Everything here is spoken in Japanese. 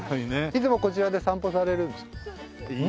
いつもこちらで散歩されるんですか？